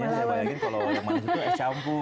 biasanya saya bayangin kalau ada manis itu es campur